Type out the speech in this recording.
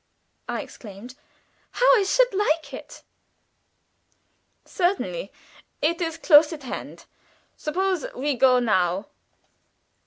I exclaimed. "How I should like it!" "Certainly. It is close at hand. Suppose we go now."